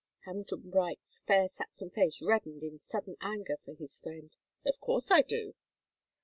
Hamilton Bright's fair Saxon face reddened in sudden anger for his friend. "Of course I do."